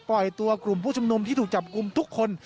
ปล่อยตัวกลุ่มผู้ชุมนุมที่ถูกจับกลุ่มทุกคน